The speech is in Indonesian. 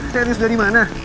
serius dari mana